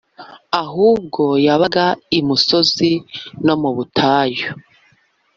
ahubwo yabaga i musozi no mu butayu